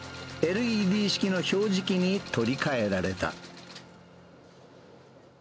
ＬＥＤ式の表示機に取り換えられた。